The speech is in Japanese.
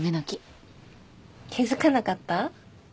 気付かなかった？